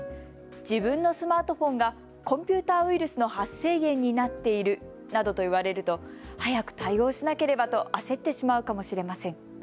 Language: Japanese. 自分のスマートフォンがコンピューターウイルスの発生源になっているなどと言われると早く対応しなければと焦ってしまうかもしれません。